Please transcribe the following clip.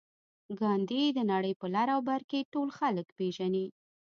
ګاندي د نړۍ په لر او بر کې ټول خلک پېژني